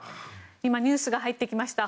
今、ニュースが入ってきました。